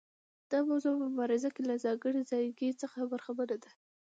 دا موضوع په مبارزه کې له ځانګړي ځایګي څخه برخمنه ده.